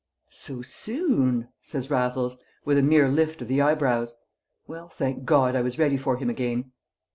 "So soon!" says Raffles, with a mere lift of the eyebrows. "Well, thank God, I was ready for him again."